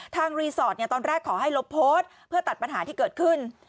รีสอร์ทตอนแรกขอให้ลบโพสต์เพื่อตัดปัญหาที่เกิดขึ้น